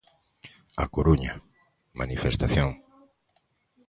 A Coruña: Manifestación.